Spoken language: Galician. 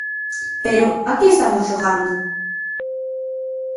¡Pero a que estamos xogando!